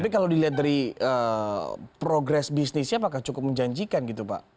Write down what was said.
tapi kalau dilihat dari progres bisnisnya apakah cukup menjanjikan gitu pak